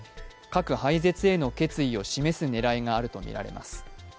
核廃絶への決意を示す狙いがあるとみられます。